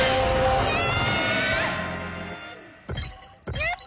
やった！